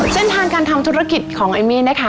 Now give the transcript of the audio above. เส้นทางการทำธุรกิจของเอมมี่นะคะ